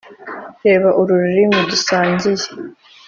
reba uru rurimi dusangiye,